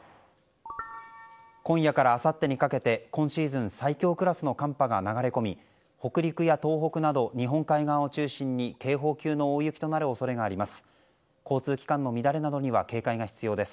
今夜からあさってにかけて今シーズン最強クラスの寒波が流れ込み北陸や東北など日本海側を中心に警報級の大雪となる恐れがあります。